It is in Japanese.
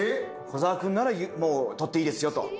小澤君なら撮っていいですよと。